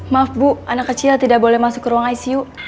maaf bu anak kecil tidak boleh masuk ke ruang icu